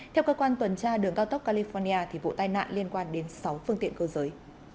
theo cơ quan tuần tra đường cao tốc california vụ tai nạn liên quan đến sáu phương tiện cơ giới